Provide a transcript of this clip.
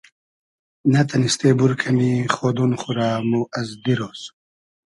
نۂ تئنیستې بور کئنی خۉدۉن خو رۂ مۉ از دیرۉز